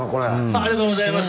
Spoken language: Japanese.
ありがとうございます！